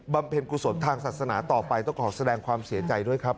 เพ็ญกุศลทางศาสนาต่อไปต้องขอแสดงความเสียใจด้วยครับ